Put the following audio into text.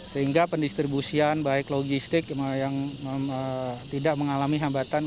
sehingga pendistribusian baik logistik yang tidak mengalami hambatan